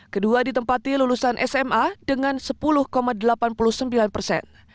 kedua ditempati lulusan sma dengan sepuluh delapan puluh sembilan persen